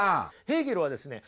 ヘーゲルはですね